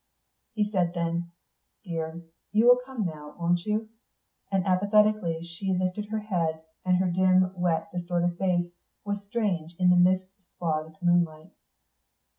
He said then, "Dear, you will come now, won't you," and apathetically she lifted her head, and her dim, wet, distorted face was strange in the mist swathed moonlight.